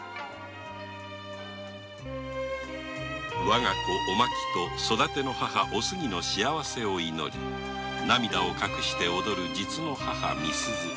我が子お槙と育ての母お杉の幸せを祈り涙を隠して踊る実の母美鈴。